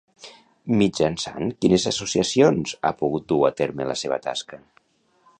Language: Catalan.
Mitjançant quines associacions ha pogut dur a terme la seva tasca?